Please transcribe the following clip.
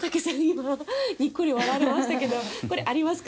今ニッコリ笑われましたけどこれありますか？